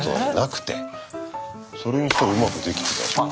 それにしてはうまくできてたじゃん。